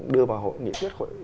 đưa vào hội nghị quyết